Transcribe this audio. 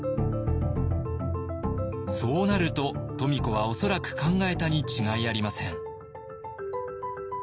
そうなると富子は恐らく考えたに違いありません。